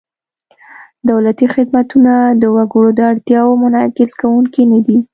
دولتي خدمتونه د وګړو د اړتیاوو منعکس کوونکي نهدي.